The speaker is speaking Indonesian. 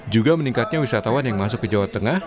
juga meningkatnya wisatawan yang masuk ke jawa tengah